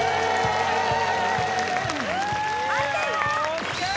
ＯＫ